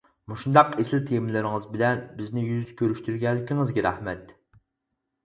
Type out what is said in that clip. مۇشۇنداق ئېسىل تېمىلىرىڭىز بىلەن بىزنى يۈز كۆرۈشتۈرگەنلىكىڭىزگە رەھمەت.